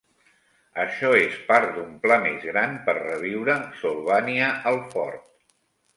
Això es part d'un pla més gran per reviure Solvania el fort.